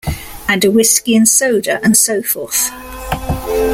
And a whisky and soda, and so forth.